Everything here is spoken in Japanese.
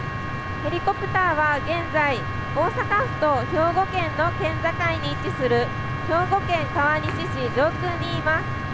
ヘリコプターは現在大阪府と兵庫県の県境に位置する兵庫県川西市上空にいます。